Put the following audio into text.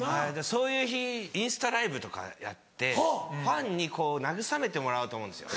そういう日インスタライブとかやってファンに慰めてもらおうと思うんですよ。